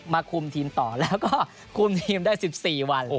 คุมทีมต่อแล้วก็คุมทีมได้๑๔วัน